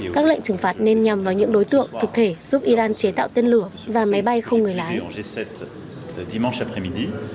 các lệnh trừng phạt nên nhằm vào những đối tượng thực thể giúp iran chế tạo tên lửa và máy bay không người lái